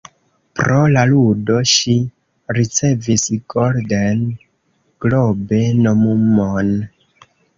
Pro la ludo, ŝi ricevis Golden Globe-nomumon.